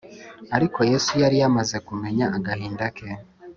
Ariko Yesu yari yamaze kumenya agahinda ke